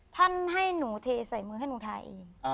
ท่านให้หนูเทใส่มือให้หนูทาเอง